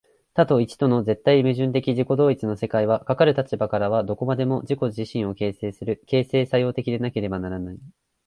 多と一との絶対矛盾的自己同一の世界は、かかる立場からはどこまでも自己自身を形成する、形成作用的でなければならない。